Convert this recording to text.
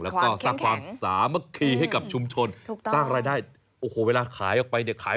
แล้วก็สร้างความสามัคคีให้กับชุมชนสร้างรายได้โอ้โหเวลาขายออกไปเนี่ยขาย